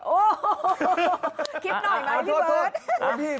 โอ้โหคิดหน่อยไหมพี่เบิร์ต